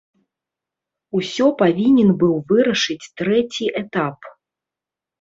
Усё павінен быў вырашыць трэці этап.